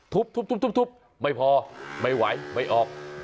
ทุบไม่พอไม่ไหวไม่ออก